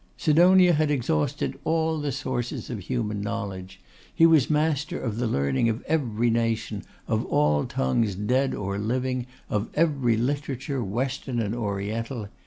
Sidonia had exhausted all the sources of human knowledge; he was master of the learning of every nation, of all tongues dead or living, of every literature, Western and Oriental.